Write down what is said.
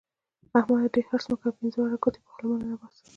احمده! ډېر حرص مه کوه؛ پينځه واړه ګوتې پر خوله مه ننباسه.